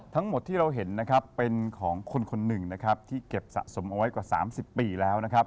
ทั้งหมดที่เราเห็นเป็นของคนหนึ่งที่เก็บสะสมเอาไว้กว่า๓๐ปีแล้ว